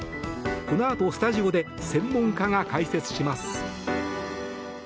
このあと、スタジオで専門家が解説します。